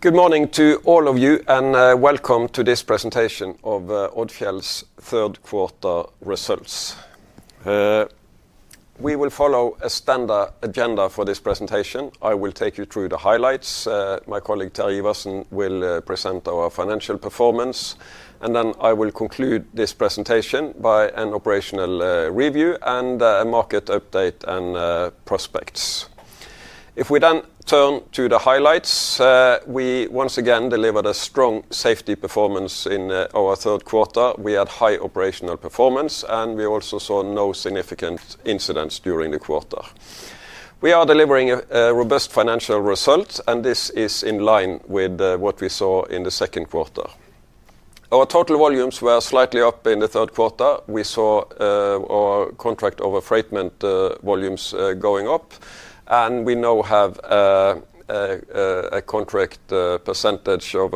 Good morning to all of you and welcome to this presentation of Odfjell's third quarter results. We will follow a standard agenda for this presentation. I will take you through the highlights. My colleague Terje Iversen will present our financial performance and then I will conclude this presentation by an operational review and a market update and prospects. If we then turn to the highlights. We once again delivered a strong safety performance in our third quarter. We had high operational performance and we also saw no significant incidents during the quarter. We are delivering a robust financial result and this is in line with what we saw in the second quarter. Our total volumes were slightly up in the third quarter. We saw our contract coverage volumes going up and we now have a contract percentage of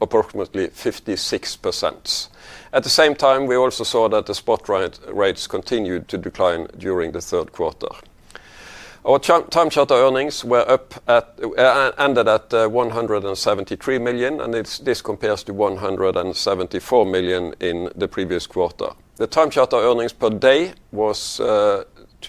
approximately 56%. At the same time we also saw that the spot rates continued to decline during the third quarter. Our time charter earnings were up ended at $173 million and this compares to $174 million in the previous quarter. The time charter earnings per day was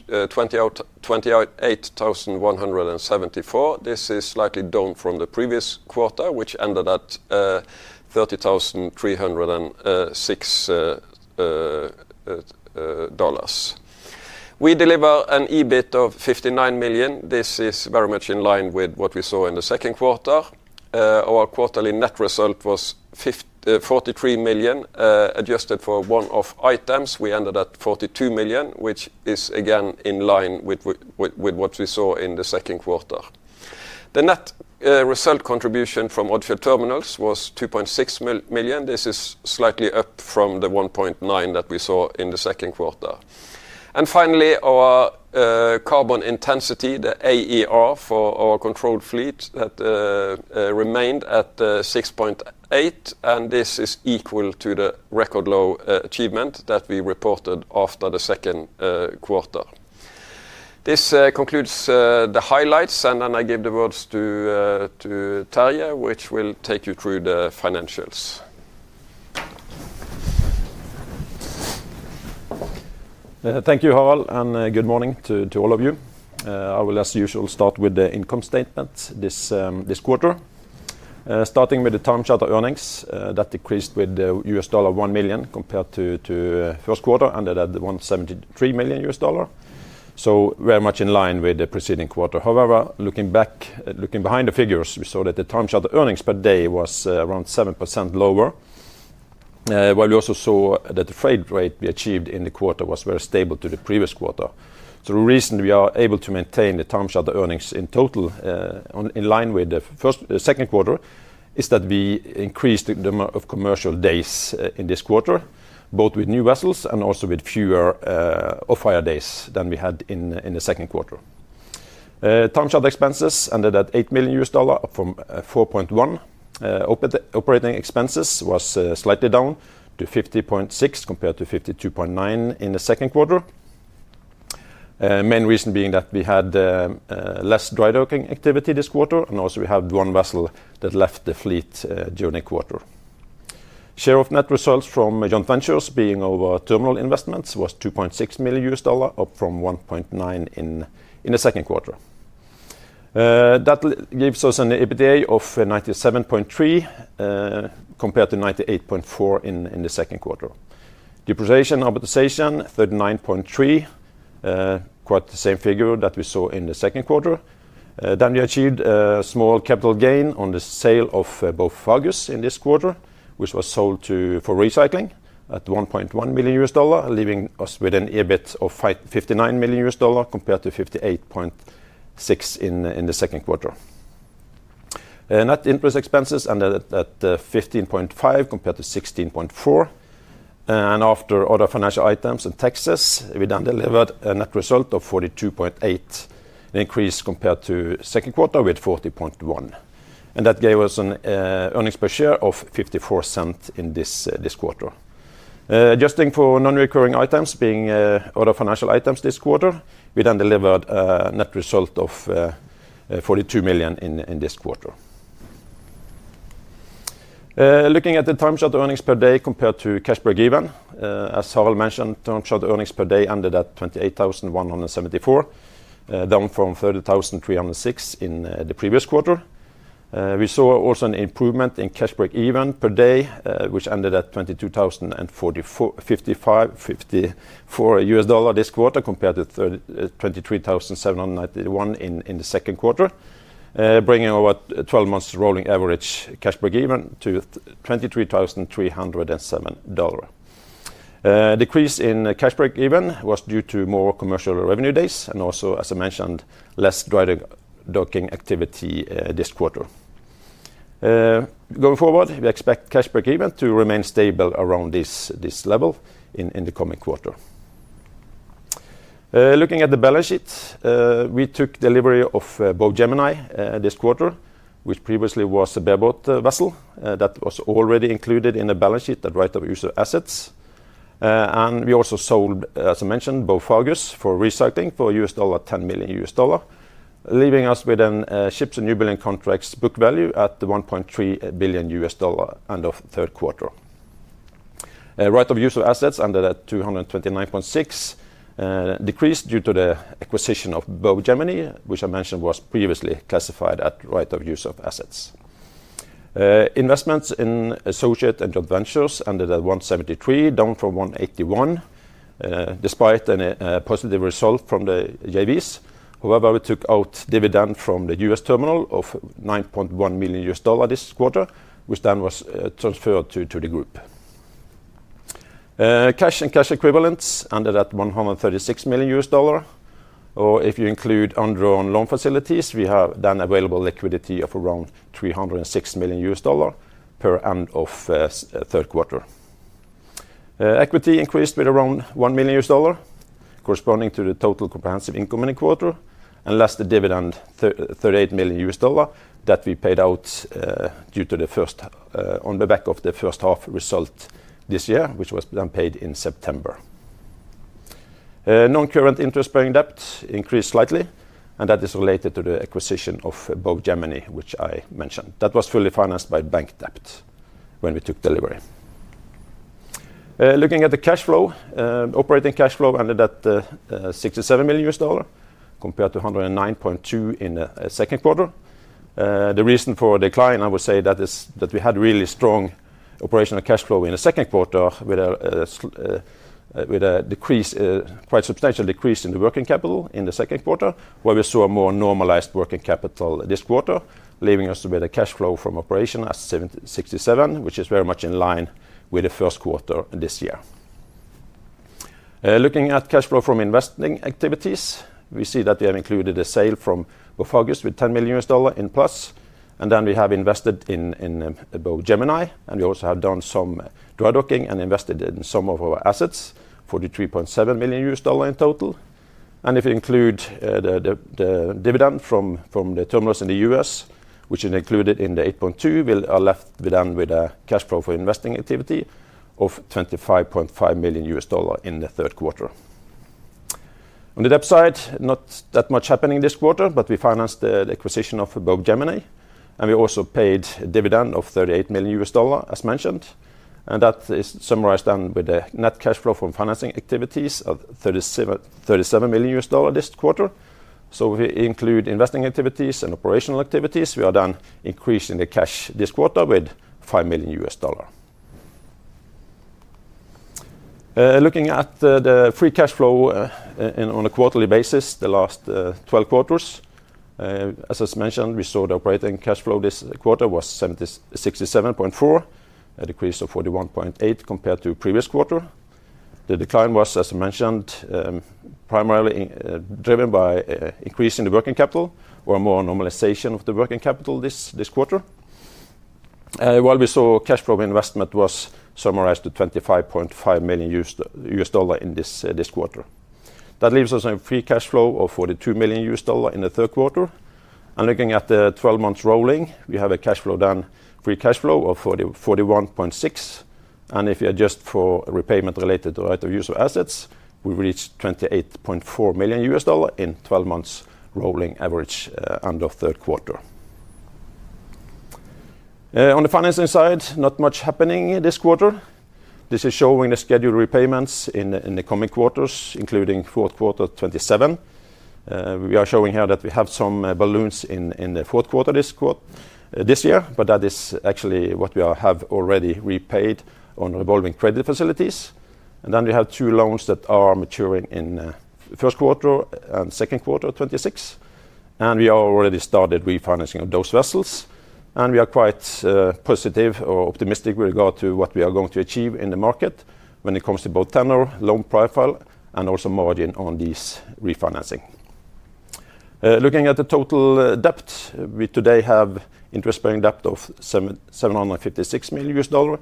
$28,174. This is slightly down from the previous quarter which ended at $30,306. We deliver an EBIT of $59 million. This is very much in line with what we saw in the second quarter. Our quarterly net result was $43 million. Adjusted for one off items. We ended at $42 million which is again in line with what we saw in the second quarter. The net result contribution from Odfjell Terminals was $2.6 million. This is slightly up from the $1.9 million that we saw in the second quarter. Finally our carbon intensity, the AER for our controlled fleet remained at 6.8. This is equal to the record low achievement that we reported after the second quarter. This concludes the highlights and then I give the words to Terje which will take you through the financials. Thank you, Harald, and good morning to all of you. I will, as usual, start with the income statement this quarter. Starting with the time charter earnings that decreased with $1 million compared to first quarter, and that $173.3 million, so very much in line with the preceding quarter. However, looking back, looking behind the figures, we saw that the time charter earnings per day was around 7% lower. While we also saw that the freight rate we achieved in the quarter was very stable to the previous quarter. The reason we are able to maintain the time charter earnings in total in line with the second quarter is that we increased the number of commercial days in this quarter, both with new vessels and also with fewer off-hire days than we had in the second quarter. Time charter expenses ended at $8 million, up from $4.1 million. Operating expenses was slightly down to $50.6 million compared to $52.9 million in the second quarter. Main reason being that we had less dry docking activity this quarter and also we had one vessel that left the fleet during the quarter. Share of net results from joint ventures being Odfjell Terminal investments was $2.6 million up from $1.9 million in the second quarter. That gives us an EBITDA of $97.3 million compared to $98.4 million in the second quarter. Depreciation amortization $39.3 million, quite the same figure that we saw in the second quarter. Then we achieved a small capital gain on the sale of Bow Fagus in this quarter which was sold for recycling at $1.1 million, leaving us with an EBIT of $59 million compared to $58.6 million in the second quarter. Net interest expenses ended at $15.5 million compared to $16.4 million and after other financial items and taxes we then delivered a net result of $42.8 million, increase compared to second quarter with $40.1 million, and that gave us an earnings per share of $0.54 in this quarter. Adjusting for non-recurring items being other financial items this quarter, we then delivered a net result of $42 million in this quarter. Looking at the time charter earnings per day compared to cash break even as Harald mentioned, time charter earnings per day ended at $28,174, down from $30,306 in the previous quarter. We saw also an improvement in cash break even per day which ended at $22,054 this quarter compared to $23,791 in the second quarter, bringing over 12 months rolling average cash break even to $23,307. Decrease in cash break even was due to more commercial revenue days and also as I mentioned less dry docking activity this quarter. Going forward we expect cash break even to remain stable around this level in the coming quarter. Looking at the balance sheet, we took delivery of both Bow Gemini this quarter which previously was a bareboat vessel that was already included in the balance sheet the right of use of assets and we also sold as I mentioned Bow Fagus for recycling for $10 million leaving us with ships and newbuilding contracts. Book value at the $1.3 billion and as of third quarter right of use of assets under that $229.6 million decreased due to the acquisition of Bow Gemini which I mentioned was previously classified as right of use of assets. Investments in associate and joint ventures ended at $173 million, down from $181 million, despite any positive result from the JVs. However, we took out dividend from the U.S. terminal of $9.1 million this quarter, which then was transferred to the group cash and cash equivalents. Under that, $136 million, or if you include undrawn loan facilities, we have then available liquidity of around $306 million per end of third quarter. Equity increased with around $1 million corresponding to the total comprehensive income in the quarter, and last, the dividend, $38 million, that we paid out due to the first, on the back of the first half result this year, which was then paid in September. Non-current interest bearing debt increased slightly, and that is related to the acquisition of Bow Gemini, which I mentioned, that was fully financed by bank debt when we took delivery. Looking at the cash flow, operating cash flow ended at $67 million compared to $109.2 million in the second quarter. The reason for decline, I would say that is that we had really strong operational cash flow in the second quarter with a quite substantial decrease in the working capital in the second quarter where we saw a more normalized working capital this quarter, leaving us with a cash flow from operation at $67 million, which is very much in line with the first quarter this year. Looking at cash flow from investing activities, we see that we have included a sale from Bow Fagus with $10 million in plus and then we have invested in Bow Gemini and we also have done some drydocking and invested in some of our assets, $43.7 million in total, and if you include the dividend from the Terminals in the U.S. which is included in the $8.2, we are left with a cash flow for investing activity of $25.5 million in the third quarter. On the debt side, not that much happening this quarter, but we financed the acquisition of Bow Gemini and we also paid a dividend of $38 million as mentioned and that is summarized then with the net cash flow from financing activities of $37 million this quarter. If we include investing activities and operational activities, we are then increasing the cash this quarter with $5 million. Looking at the free cash flow on a quarterly basis the last 12 quarters, as I mentioned, we saw the operating cash flow this quarter was $67.4 million, a decrease of $41.8 million compared to previous quarter. The decline was, as mentioned, primarily driven by increase in the working capital or more normalization of the working capital this quarter, while we saw cash flow investment was summarized to $25.5 million in this quarter. That leaves us on free cash flow of $42 million in the third quarter and looking at the 12 months rolling we have a cash flow, done free cash flow of $41.6 million and if you adjust for repayment related right of use of assets we reach $28.4 million in 12 months rolling average end of third quarter. On the financing side not much happening this quarter. This is showing the scheduled repayments in the coming quarters including fourth quarter 2027. We are showing here that we have some balloons in the fourth quarter this year but that is actually what we have already repaid on revolving credit facilities and then we have two loans that are maturing in first quarter and second quarter 2026 and we already started refinancing of those vessels and we are quite positive or optimistic with regard to what we are going to achieve in the market when it comes to both tenor loan profile and also margin on these refinancing. Looking at the total debt we today have interest bearing debt of $756 million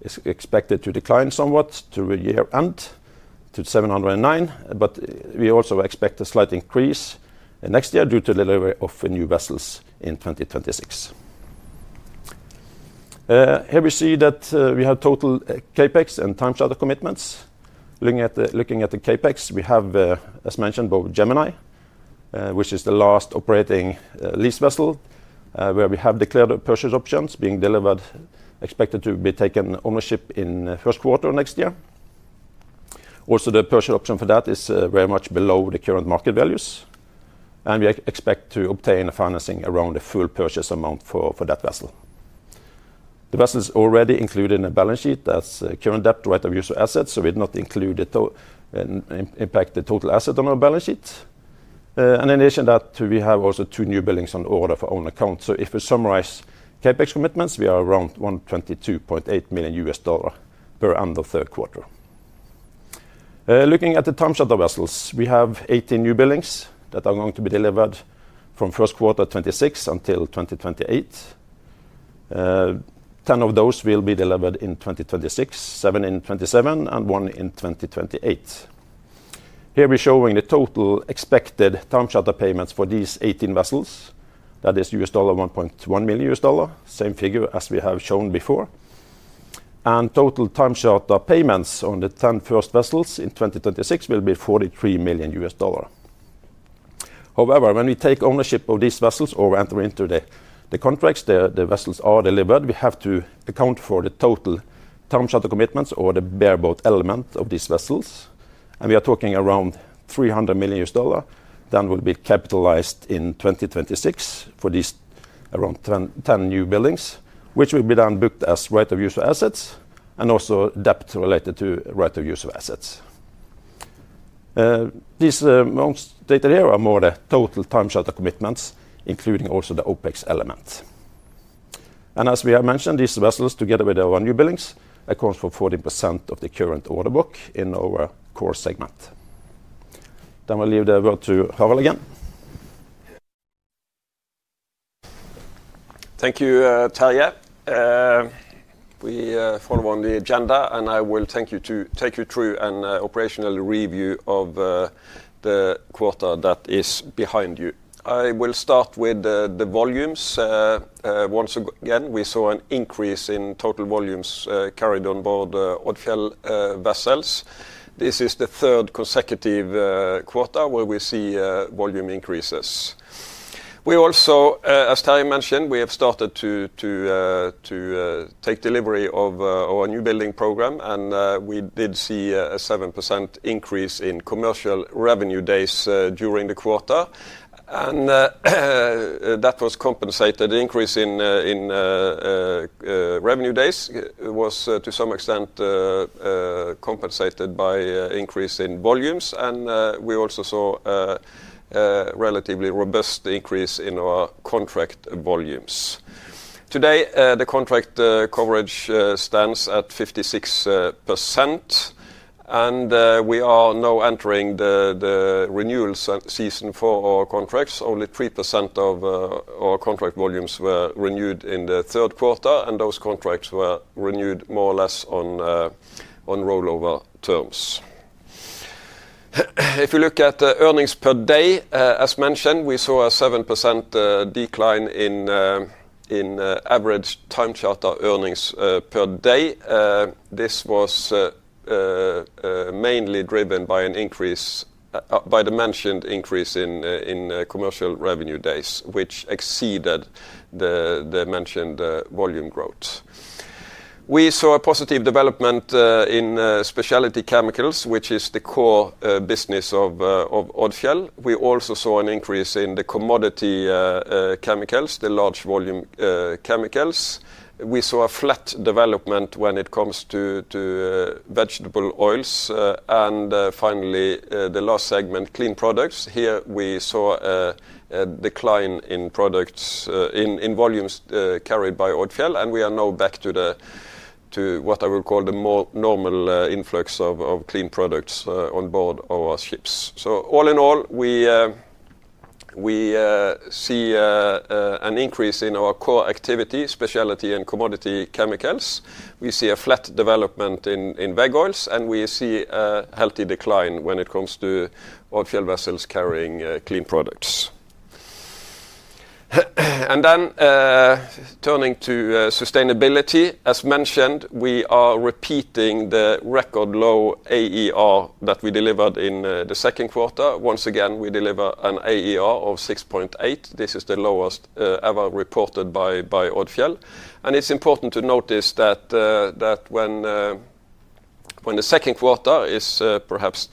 is expected to decline somewhat to year end to $709 million but we also expect a slight increase next year due to delivery of new vessels in 2026. Here we see that we have total CapEx and time charter commitments. Looking at the CapEx, we have, as mentioned, Bow Gemini, which is the last operating lease vessel where we have declared purchase options being delivered, expected to be taken ownership in first quarter of next year. Also, the purchase option for that is very much below the current market values, and we expect to obtain financing around the full purchase amount for that vessel. The vessel is already included in the balance sheet, that's current debt right of use of assets. We do not include impact the total asset on our balance sheet, and in addition to that, we have also two new buildings on order for own account. If we summarize CapEx commitments, we are around $122.8 million per end of third quarter. Looking at the time charter vessels, we have 18 new buildings that are going to be delivered from first quarter 2026 until 2028. Ten of those will be delivered in 2026, seven in 2027 and one in 2028. Here we're showing the total expected time charter payments for these 18 vessels, i.e. $1.1 billion, same figure as we have shown before, and total time charter payments on the first 10 vessels in 2026 will be $43 million. However, when we take ownership of these vessels or enter into the contracts as the vessels are delivered, we have to account for the total time charter commitments or the bareboat element of these vessels, and we are talking around $300 million that will be capitalized in 2026 for these around 10 newbuildings, which will then be booked as right of use of assets and also debt related to right of use of assets these months data. Here are more the total time shelter commitments including also the OpEx element and as we have mentioned, these vessels together with our new buildings account for 14% of the current order book in our core segment. We will leave the word to Harald again. Thank you, Terje. We follow on the agenda and I will take you through an operational review of the quarter that is behind you. I will start with the volumes. Once again, we saw an increase in total volumes carried on board Odfjell vessels. This is the third consecutive quarter where we see volume increases. We also, as Terje mentioned, we have started to take delivery of our newbuilding program and we did see a 7% increase in commercial revenue days during the quarter and that was compensated. Increase in revenue days was to some extent compensated by increase in volumes and we also saw relatively robust increase in our contract volumes. Today the contract coverage stands at 56% and we are now entering the renewal season for our contracts. Only 3% of our contract volumes were renewed in the third quarter and those contracts were renewed more or less on rollover terms. If you look at earnings per day as mentioned, we saw a 7% decline in average time charter earnings per day. This was mainly driven by the mentioned increase in commercial revenue days which exceeded the mentioned volume growth. We saw a positive development in specialty chemicals which is the core business of Odfjell. We also saw an increase in the commodity chemicals, the large volume chemicals. We saw a flat development when it comes to vegetable oils and finally the last segment, clean products. Here we saw a decline in volumes carried by Odfjell and we are now back to what I would call the more normal influx of clean products on board our ships. All in all we see an increase in our core activity, specialty and commodity chemicals. We see a flat development in Vegoils and we see a healthy decline when it comes to oilfield vessels carrying clean products. Turning to sustainability, as mentioned, we are repeating the record low AER that we delivered in the second quarter. Once again we deliver an AER of 6.8. This is the lowest ever reported by Odfjell. It is important to notice that when the second quarter is perhaps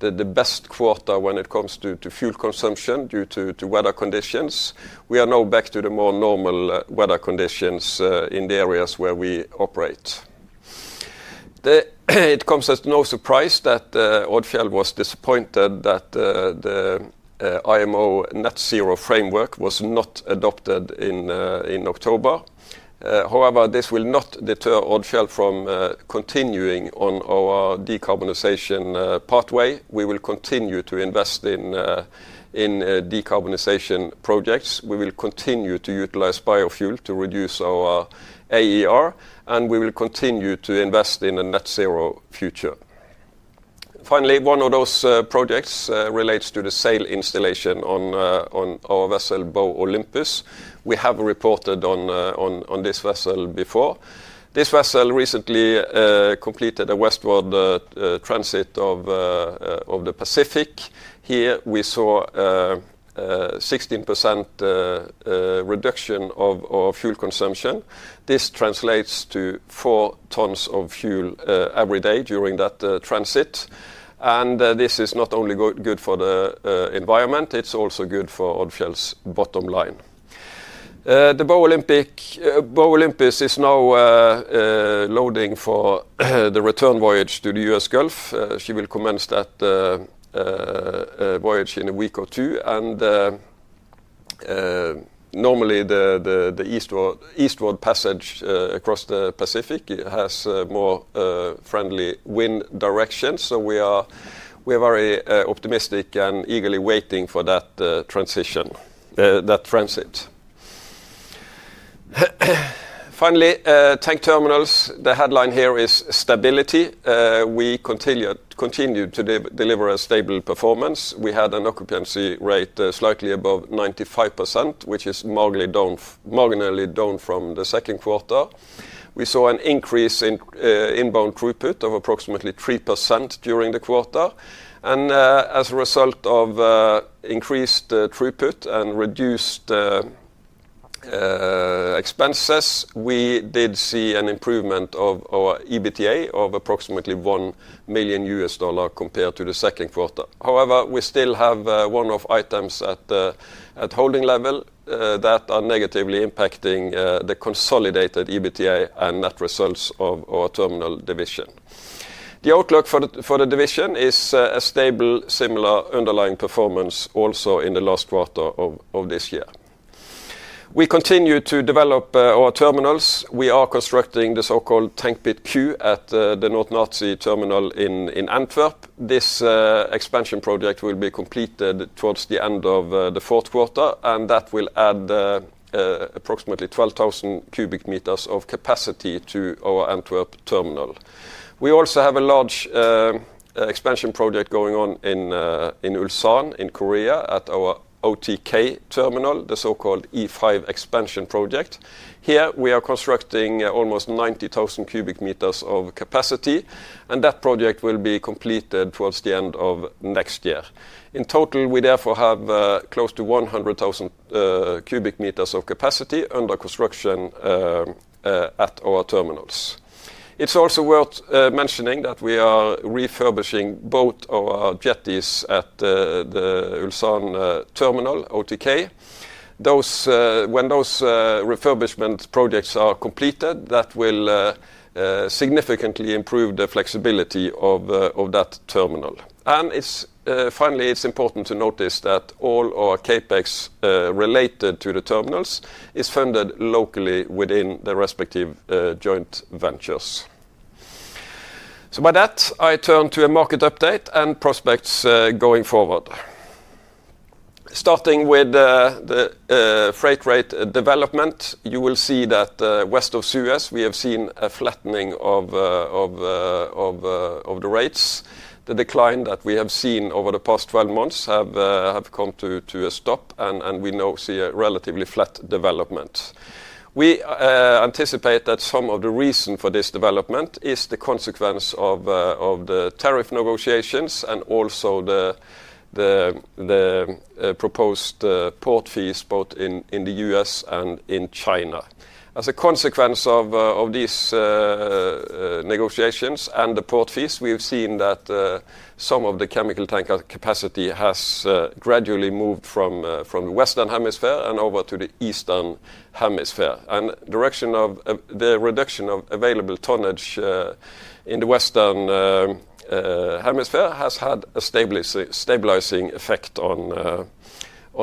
the best quarter when it comes to fuel consumption due to weather conditions, we are now back to the more normal weather conditions in the areas where we operate. It comes as no surprise that Odfjell was disappointed that the IMO Net-Zero Framework was not adopted in October. However, this will not deter Odfjell from continuing on our decarbonisation pathway. We will continue to invest in decarbonization projects, we will continue to utilize biofuel to reduce our AER and we will continue to invest in a net-zero future. Finally, one of those projects relates to the sail installation on our vessel Bow Olympus. We have reported on this vessel before. This vessel recently completed a westward transit of the Pacific. Here we saw 16% reduction of fuel consumption. This translates to 4 tons of fuel every day during that transit. This is not only good for the environment, it is also good for Odfjell's bottom line. The Bow Olympus is now loading for the return voyage to the U.S. Gulf. She will commence that voyage in a week or two. Normally the eastward passage across the Pacific has more friendly wind directions. We are very optimistic and eagerly waiting for that transit. Finally, tank terminals, the headline here is stability. We continue to deliver a stable performance. We had an occupancy rate slightly above 95%, which is marginally down from the second quarter. We saw an increase in inbound throughput of approximately 3% during the quarter. As a result of increased throughput and reduced expenses, we did see an improvement of our EBITDA of approximately $1 million compared to the second quarter. However, we still have one-off items at holding level that are negatively impacting the consolidated EBITDA and net results of our Terminal division. The outlook for the division is a stable, similar underlying performance. Also, in the last quarter of this year, we continue to develop our Terminals. We are constructing the so-called Tankpit-Q at the Noord Natie Terminal in Antwerp. This expansion project will be completed towards the end of the fourth quarter and that will add approximately 12,000 cubic meters of capacity to our Antwerp terminal. We also have a large expansion project going on in Ulsan in Korea at our OTK terminal, the so-called E5 expansion project. Here we are constructing almost 90,000 cubic meters of capacity and that project will be completed towards the end of next year. In total, we therefore have close to 100,000 cubic meters of capacity under construction at our terminals. It's also worth mentioning that we are refurbishing both our jetties at the Ulsan terminal OTK. When those refurbishment projects are completed, that will significantly improve the flexibility of that terminal. It's finally, it's important to notice that all our CapEx related to the terminals is funded locally within their respective joint ventures. By that I turn to a market update and prospects going forward. Starting with the freight rate development, you will see that West of Suez we have seen a flattening of the rates. The decline that we have seen over the past 12 months has come to a stop and we now see a relatively flat development. We anticipate that some of the reason for this development is the consequence of the tariff negotiations and also the proposed port fees both in the U.S. and in China. As a consequence of these negotiations and the port fees, we have seen that some of the chemical tank capacity has gradually moved from the Western Hemisphere over to the Eastern Hemisphere. The reduction of available tonnage in the western hemisphere has had a stabilizing effect on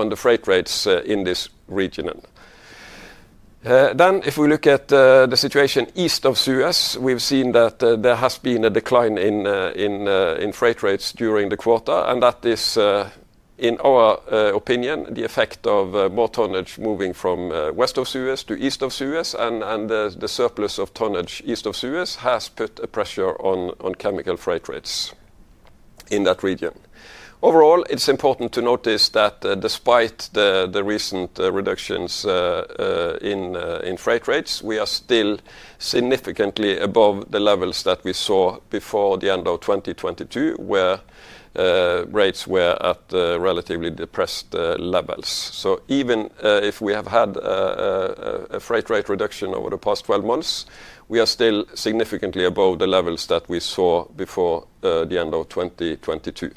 the freight rates in this region. If we look at the situation East of Suez, we've seen that there has been a decline in freight rates during the quarter and that in our opinion, the effect of more tonnage moving from West of Suez to East of Suez and the surplus of tonnage East of Suez has put a pressure on chemical freight rates in that region. Overall, it's important to notice that despite the recent reductions in freight rates, we are still significantly above the levels that we saw before the end of 2022 where rates were at relatively depressed levels. Even if we have had a freight rate reduction over the past 12 months, we are still significantly above the levels that we saw before the end of 2022.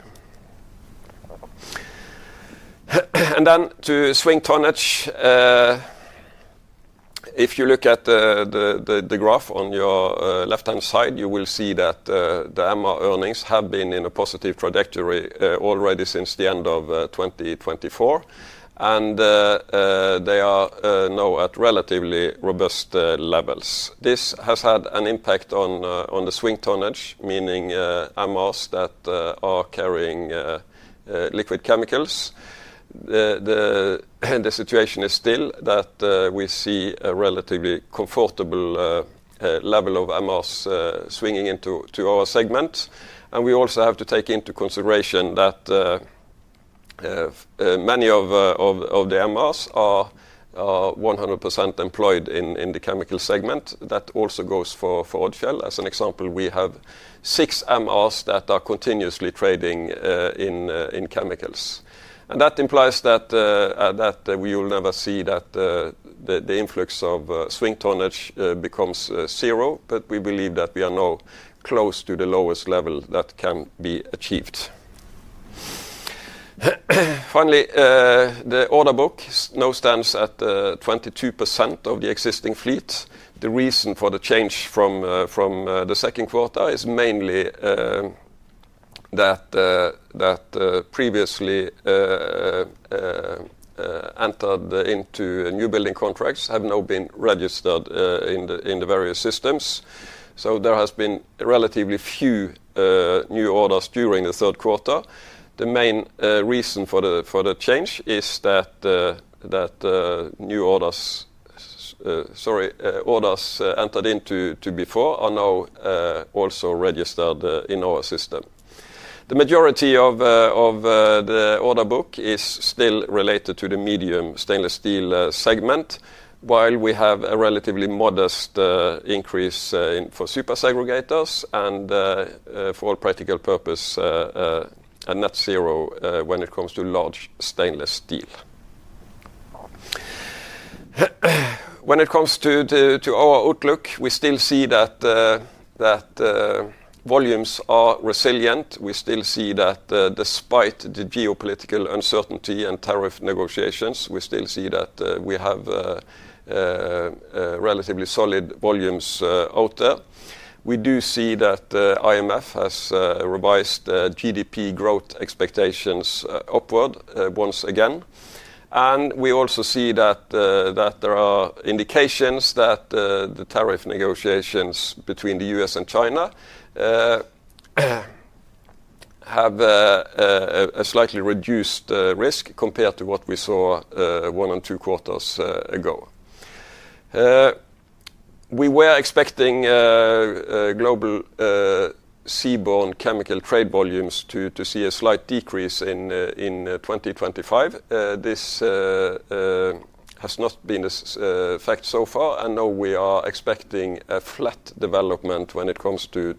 And then to swing tonnage. If you look at the graph on your left hand side, you will see that the MR earnings have been in a positive trajectory already end of 2024 and they are now at relatively robust levels. This has had an impact on the swing tonnage, meaning MRs that are carrying liquid chemicals. The situation is still that we see a relatively comfortable level of MRs swinging into our segment. We also have to take into consideration that many of the MRs are 100% employed in the chemical segment. That also goes for Odfjell. As an example, we have six MRs that are continuously trading in chemicals and that implies that we will never see that the influx of swing tonnage becomes zero. We believe that we are now close to the lowest level that can be achieved. Finally, the order book now stands at 22% of the existing fleet. The reason for the change from the second quarter is mainly that previously entered into new building contracts have now been registered in the various systems. There have been relatively few new orders during the third quarter. The main reason for the change is that orders entered into before are now also registered in our system. The majority of the order book is still related to the medium stainless steel segment, while we have a relatively modest increase for super segregators and, for all practical purposes, a net zero when it comes to large stainless steel. When it comes to our outlook, we still see that volumes are resilient. We still see that despite the geopolitical uncertainty and tariff negotiations, we still see that we have relatively solid volumes out there. We do see that IMF has revised GDP growth expectations upward once again. We also see that there are indications that the tariff negotiations between the U.S. and China have a slightly reduced risk compared to what we saw one and two quarters ago. We were expecting global seaborne chemical trade volumes to see a slight decrease in 2025. This has not been the fact so far and now we are expecting a flat development when it comes to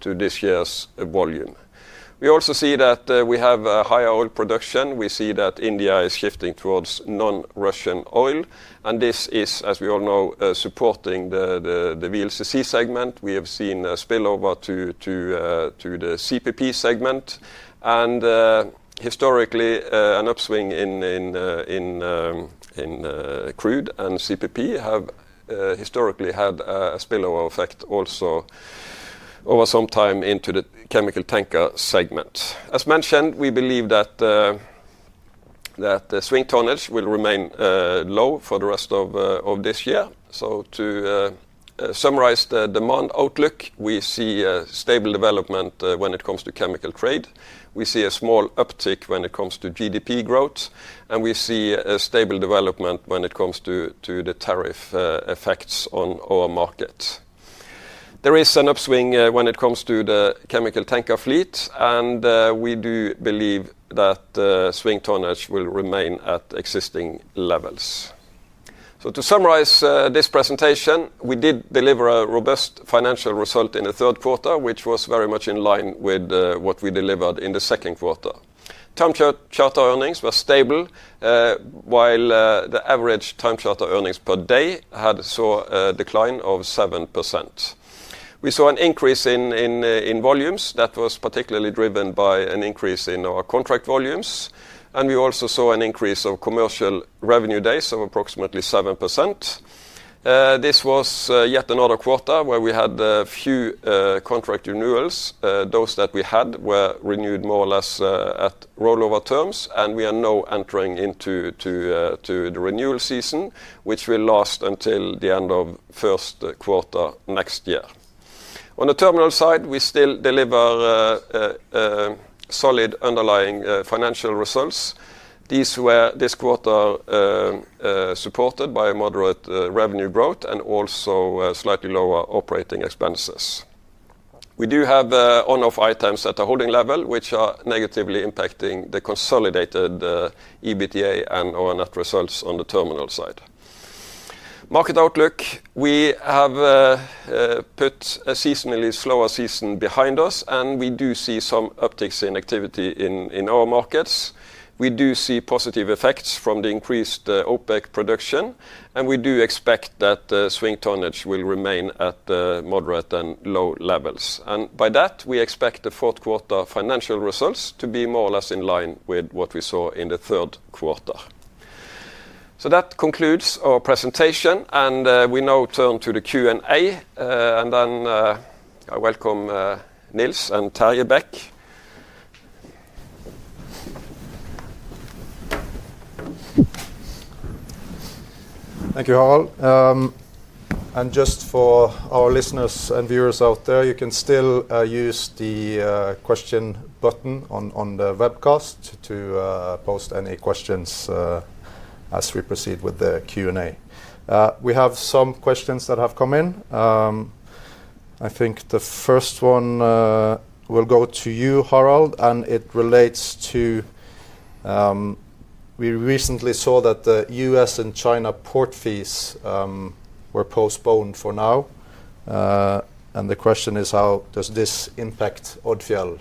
this year's volume. We also see that we have higher oil production. We see that India is shifting towards non-Russian oil and this is as we all know supporting the VLCC segment. We have seen a spillover to the CPP segment and historically an upswing in crude and CPP have historically had a spillover effect also over some time into the chemical tanker segment. As mentioned, we believe that the swing tonnage will remain low for the rest of this year. To summarize the demand outlook, we see a stable development when it comes to chemical trade. We see a small uptick when it comes to GDP growth and we see a stable development when it comes to the tariff effects on our market. There is an upswing when it comes to the chemical tanker fleet and we do believe that swing tonnage will remain at existing levels. To summarize this presentation, we did deliver a robust financial result in the third quarter which was very much in line with what we delivered in the second quarter. Time charter earnings were stable. While the average time charter earnings per day saw a decline of 7%, we saw an increase in volumes that was particularly driven by an increase in our contract volumes. We also saw an increase of commercial revenue days of approximately 7%. This was yet another quarter where we had few contract renewals. Those that we had were renewed more or less at rollover terms, and we are now entering into the renewal season which will last until the end of first quarter next year. On the Terminal side, we still deliver solid underlying financial results. These were this quarter supported by a moderate revenue growth and also slightly lower operating expenses. We do have on-off items at the holding level which are negatively impacting the consolidated EBITDA and on that results on the Terminal side. Market outlook, we have put a seasonally slower season behind us and we do see some upticks in activity in our markets. We do see positive effects from the increased OPEC production and we do expect that swing tonnage will remain at moderate and low levels and by that we expect the fourth quarter financial results to be more or less in line with what we saw in the third quarter. That concludes our presentation and we now turn to the Q and A and then I welcome Nils and Terje back. Thank you, Harald. Just for our listeners and viewers out there, you can still use the question button on the webcast to post any questions. As we proceed with the Q and A, we have some questions that have come in. I think the first one will go to you, Harald, and it relates to we recently saw that the U.S. and China port fees were postponed for now, and the question is how does this impact Odfjell?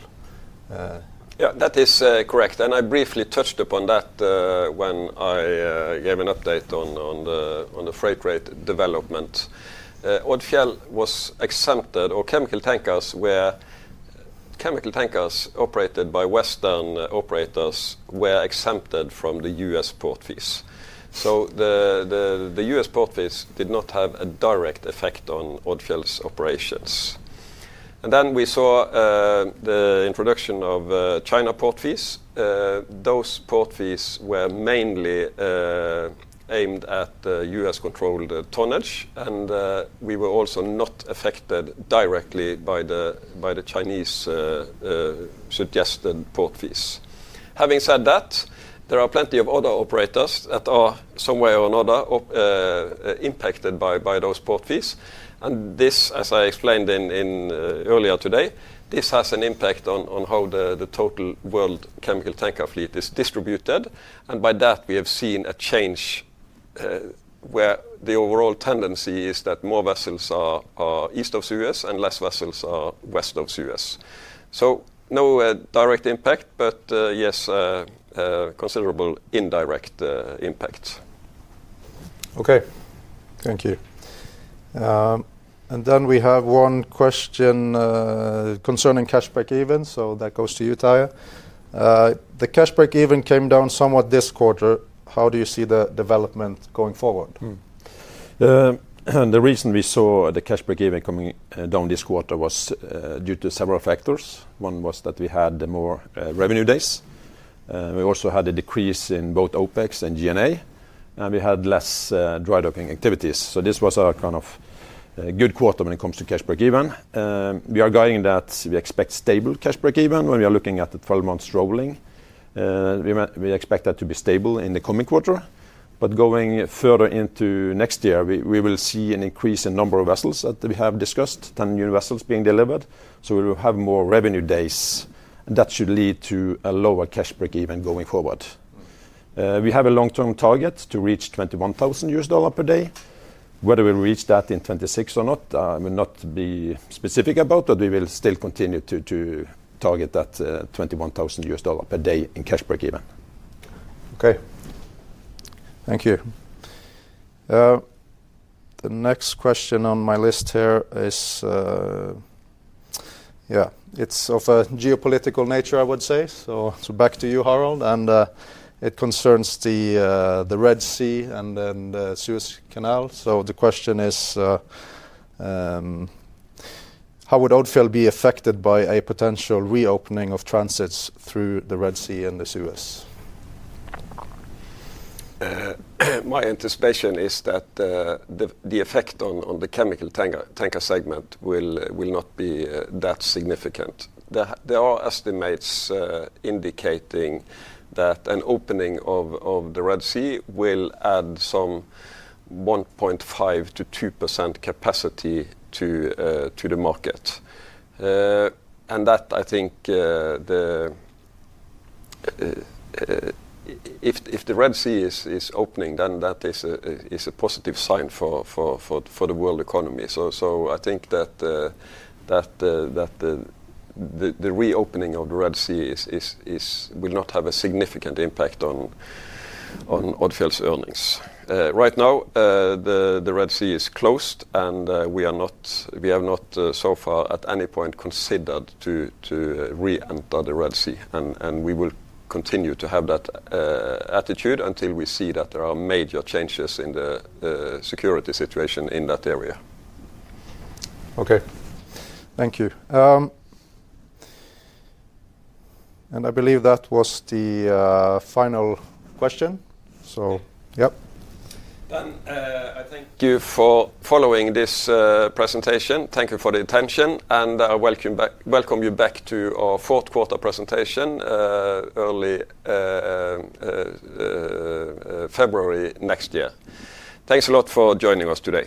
That is correct and I briefly touched upon that when I gave an update on the port freight rate development. Odfjell was exempted or chemical tankers were. Chemical tankers operated by Western operators were exempted from the U.S. port fees. So the U.S. port fees did not have a direct effect on Odfjell's operations. Then we saw the introduction of China port fees. Those port fees were mainly aimed at U.S.-controlled tonnage and we were also not affected directly by the Chinese suggested port fees. Having said that, there are plenty of other operators that are some way or another impacted by those port fees. As I explained earlier today, this has an impact on how the total world chemical tanker fleet is distributed. By that we have seen a change where the overall tendency is that more vessels are east of the U.S. and fewer vessels are west of the U.S. No direct impact, but yes, considerable indirect impact. Okay, thank you. There is one question concerning cash break even. That goes to you, Terje. The cash break even came down somewhat this quarter. How do you see the development going forward? The reason we saw the cash break even coming down this quarter was due to several factors. One was that we had more revenue days. We also had a decrease in both OpEx and G&A and we had less dry docking activities. This was a kind of good quarter. When it comes to cash break even, we are guiding that. We expect stable cash break even when we are looking at the 12 months rolling. We expect that to be stable in the coming quarter. Going further into next year we will see an increase in number of vessels that we have discussed. Ten new vessels being delivered. We will have more revenue days and that should lead to a lower cash break even going forward. We have a long term target to reach $21,000 per day. Whether we reach that in 2026 or not will not be specific about. But we will still continue to target that $21,000 per day in cash break even. Okay, thank you. The next question on my list here is. Yeah, it's of a geopolitical nature, I would say. Back to you, Harald. It concerns the Red Sea and Suez Canal. The question is how would Odfjell be affected by a potential reopening of transits through the Red Sea and the Suez? My anticipation is that the effect on the chemical tanker segment will not be that significant. There are estimates indicating that an opening of the Red Sea will add some 1.5-2% capacity to the market and that I think if the Red Sea is opening then that is a positive sign for the world economy. I think that the reopening of the Red Sea will not have a significant impact on Odfjell's earnings. Right now the Red Sea is closed and we have not so far at any point considered to re-enter the Red Sea. We will continue to have that attitude until we see that there are major changes in the security situation in that area. Okay, thank you. I believe that was the final question. Yep. I thank you for following this presentation. Thank you for the attention and I welcome you back to our fourth quarter presentation, early February next year. Thanks a lot for joining us today.